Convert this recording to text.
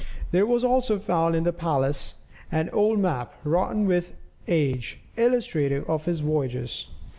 There was also found in the palace an old map, rotten with age, illustrative of his voyages.